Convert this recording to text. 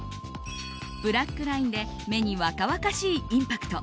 ブラックラインで目に若々しいインパクト。